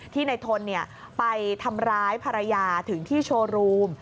ที่นายธนเนี่ยไปทำร้ายภรรยาถึงที่โชว์รูม